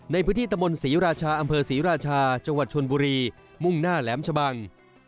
ในพื้นที่ตะมนต์ศรีราชาอำเภอศรีราชาจังหวัดชนบุรีมุ่งหน้าแหลมชะบัง